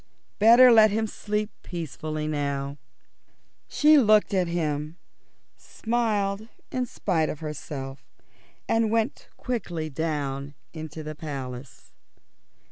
Better let him sleep peacefully now. She looked at him, smiled in spite of herself, and went quickly down into the Palace.